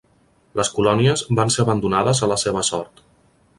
Les colònies van ser abandonades a la seva sort.